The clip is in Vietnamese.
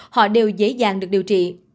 họ đều dễ dàng được điều trị